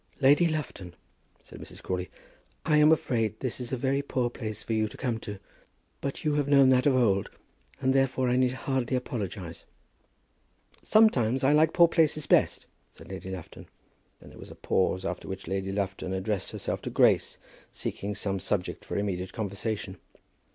"Lady Lufton," said Mrs. Crawley, "I am afraid this is a very poor place for you to come to; but you have known that of old, and therefore I need hardly apologize." "Sometimes I like poor places best," said Lady Lufton. Then there was a pause, after which Lady Lufton addressed herself to Grace, seeking some subject for immediate conversation.